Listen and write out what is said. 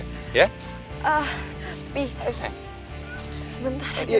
pi sebentar aja